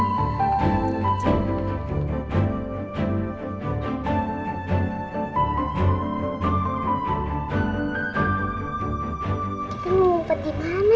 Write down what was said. kita mau buka dimana ancus